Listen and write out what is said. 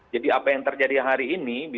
jadi apa yang terjadi hari ini